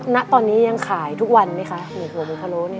ณตอนนี้ยังขายทุกวันไหมคะหมูหัวหมูพะโล้นี่